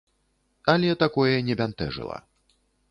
Але такое не бянтэжыла.